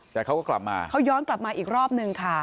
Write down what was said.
แต่เขาก็กลับมาเขาย้อนกลับมาอีกรอบนึงค่ะ